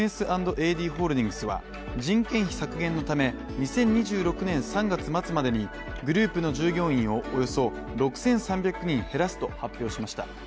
ホールディングスは、人件費削減のため、２０２６年３月末までにグループの従業員をおよそ６３００人減らすと発表しました。